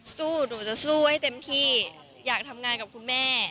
สู้หนูจะสู้ให้เต็มที่อยากทำงานกับคุณแม่